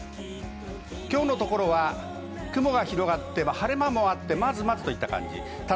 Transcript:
今日は雲が広がっても晴れ間もあってまずまずという感じ。